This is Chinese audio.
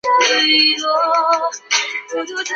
火珊瑚是千孔珊瑚科的水螅。